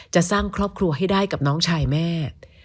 จะสร้างครอบครัวให้ได้กับน้องชายแม่